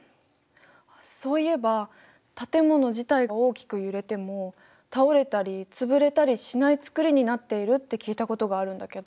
そういえば建物自体が大きく揺れても倒れたり潰れたりしない造りになっているって聞いたことがあるんだけど。